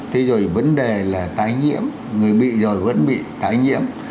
thế rồi vấn đề là tái nhiễm người bị rồi vẫn bị tái nhiễm